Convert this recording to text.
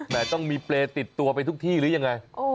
ต้องมีเปรย์ติดตัวไปทุกที่หรือยังไง